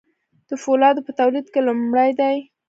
د فولادو په تولید کې لومړی دي.